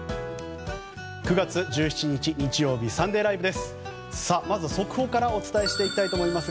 ９月１７日、日曜日「サンデーＬＩＶＥ！！」